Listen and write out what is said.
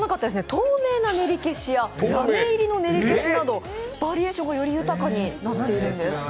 透明なねりけしやラメ入りのねりけしなどバリエーションがより豊かになったんです。